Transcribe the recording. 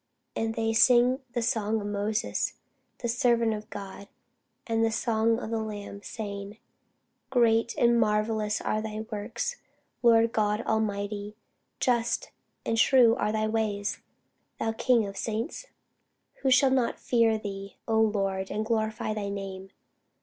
And they sing the song of Moses the servant of God, and the song of the Lamb, saying, Great and marvellous are thy works, Lord God Almighty; just and true are thy ways, thou King of saints. Who shall not fear thee, O Lord, and glorify thy name?